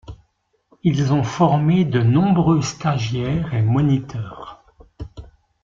Ils ont formé de nombreux stagiaires et moniteurs.